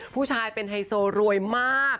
ผู้ชายเป็นไฮโซรวยมาก